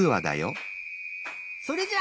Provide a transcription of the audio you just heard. それじゃ。